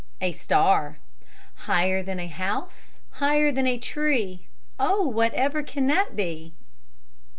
A STAR Higher than a house, higher than a tree. Oh! whatever can that be?